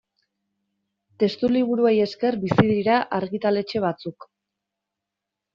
Testuliburuei esker bizi dira argitaletxe batzuk.